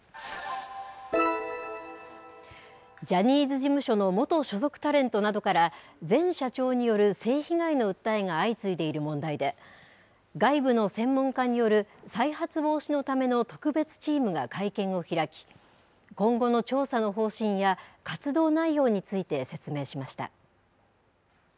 ジャニーズ事務所の元所属タレントなどから、前社長による性被害の訴えが相次いでいる問題で、外部の専門家による再発防止のための特別チームが会見を開き、今後の調査の方針や活動内容について説明しました。